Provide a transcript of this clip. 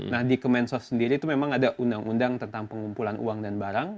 nah di kemensos sendiri itu memang ada undang undang tentang pengumpulan uang dan barang